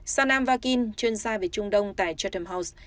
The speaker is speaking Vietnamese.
sanam vakhin chuyên gia về trung đông tại chatham house